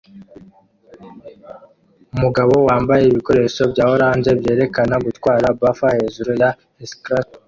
Umugabo wambaye ibikoresho bya orange byerekana gutwara buffer hejuru ya escalator